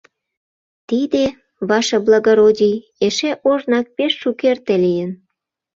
— Тиде, ваше благородий, эше ожнак, пеш шукерте лийын.